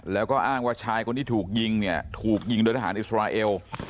แล้วก็อ้างว่าชายคนที่ถูกยิงเนี่ยถูกยิงโดยทหารอิสราเอล